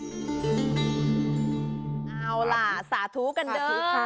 เอาล่ะสาธุกันเด้อ